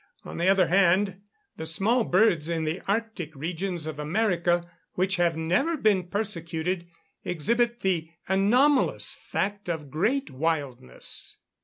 On the other hand, the small birds in the arctic regions of America, which have never been persecuted, exhibit the anomalous fact of great wildness.